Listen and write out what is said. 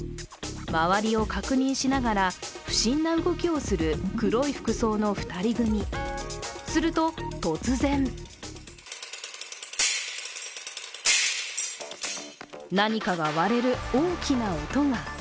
周りを確認しながら不審な動きをする黒い服装の２人組すると突然何かが割れる大きな音が。